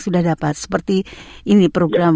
sudah dapat seperti ini program